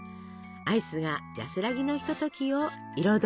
アイスが安らぎのひとときを彩ります。